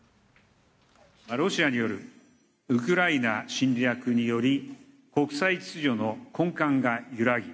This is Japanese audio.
ロシアによるウクライナ侵略により、国際秩序の根幹が揺らぎ、